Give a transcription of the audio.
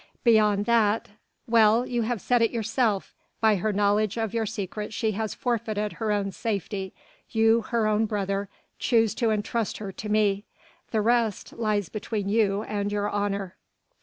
Beyond that ... well! you have said it yourself, by her knowledge of your secret she has forfeited her own safety; you her own brother choose to entrust her to me. The rest lies between you and your honour."